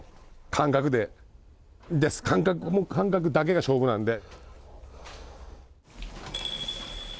もう感覚だけが勝負なんで。